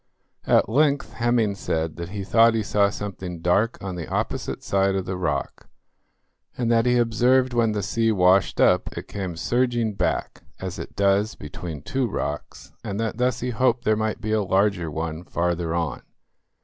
At length Hemming said that he thought he saw something dark on the opposite side of the rock, and that he observed when the sea washed up it came surging back as it does between two rocks, and that thus he hoped there might be a larger one farther on.